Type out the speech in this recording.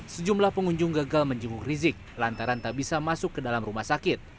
sejumlah pengunjung gagal menjenguk rizik lantaran tak bisa masuk ke dalam rumah sakit